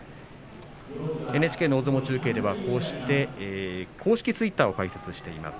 ＮＨＫ大相撲中継では公式ツイッターを開設しています。